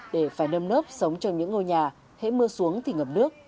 để phải nâm nớp sống trong những ngôi nhà hãy mưa xuống thì ngập nước